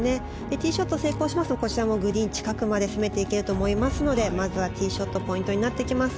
ティーショット成功しますとこちらもグリーン近くまで攻めていけると思いますのでまずはティーショットがポイントになってきます。